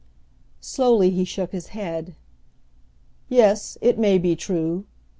Slowly he shook his head. "Yes, it may be true.